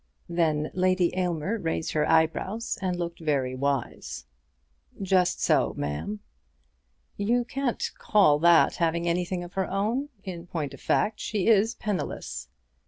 Then Lady Aylmer raised her eyebrows and looked very wise. "Just so, ma'am." "You can't call that having anything of her own. In point of fact she is penniless."